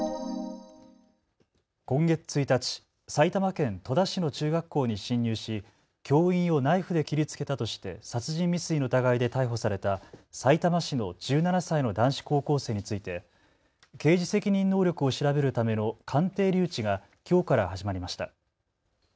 今月１日、埼玉県戸田市の中学校に侵入し教員をナイフで切りつけたとして殺人未遂の疑いで逮捕されたさいたま市の１７歳の男子高校生について刑事責任能力を調べるための鑑定留置がきょうから始まりました。